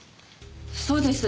そうです。